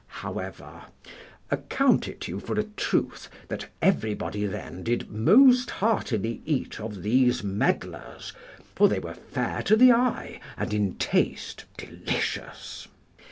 However, account you it for a truth that everybody then did most heartily eat of these medlars, for they were fair to the eye and in taste delicious.